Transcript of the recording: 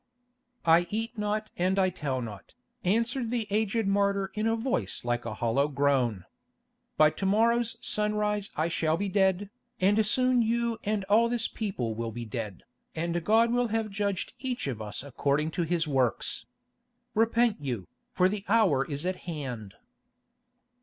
"I eat not and I tell not," answered the aged martyr in a voice like a hollow groan. "By to morrow's sunrise I shall be dead, and soon you and all this people will be dead, and God will have judged each of us according to his works. Repent you, for the hour is at hand."